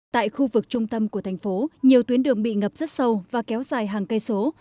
tại khu vực trung tâm của thành phố nhiều tuyến đường bị ngập rất sâu và kéo dài hàng cây số